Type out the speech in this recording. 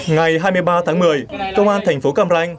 ngày hai mươi ba tháng một mươi công an thành phố cam ranh